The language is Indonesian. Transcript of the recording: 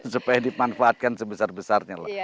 supaya dimanfaatkan sebesar besarnya lah